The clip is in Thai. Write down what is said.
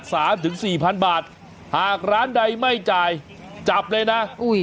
สามถึงสี่พันบาทหากร้านใดไม่จ่ายจับเลยนะอุ้ย